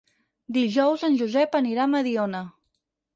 Dijous en Josep anirà a Mediona.